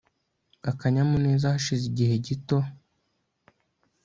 akanyamuneza hashize igihe gito